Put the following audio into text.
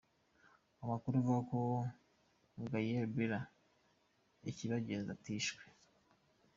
Amakuru avuga ko Gaelle Bella Ikibagenga atishwe.